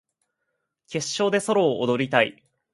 決勝でソロを踊りたい